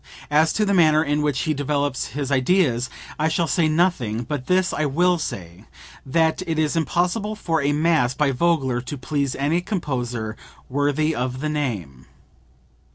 As to the manner in which he develops his ideas I shall say nothing; but this I will say that it is impossible for a mass by Vogler to please any composer worthy of the name.